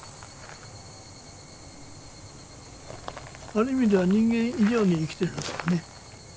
ある意味では人間以上に生きてるんですかね。